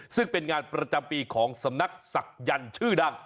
ซึ่งเป็นงานประจำปีของสำนักศักดิ์ชื่อดัง